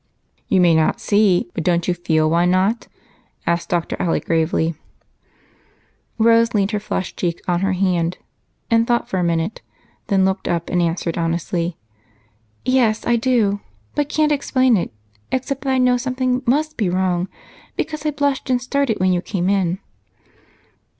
"You may not see, but don't you feel why not?" asked Dr. Alec gravely. Rose leaned her flushed cheek on her hand and thought a minute, then looked up and answered honestly, "Yes, I do, but can't explain it, except that I know something must be wrong, because I blushed and started when you came in."